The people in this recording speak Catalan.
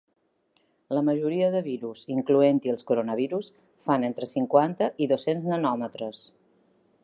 La majoria dels virus, incloent-hi els coronavirus, fan entre cinquanta i dos-cents nanòmetres.